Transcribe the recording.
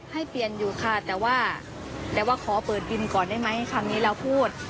ให้เปลี่ยนอยู่ค่ะแต่ว่าแต่ว่าขอเปิดวินก่อนได้ไหมคำนี้เราพูด